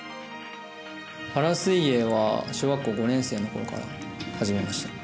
パラ水泳は小学校５年生のころから始めました。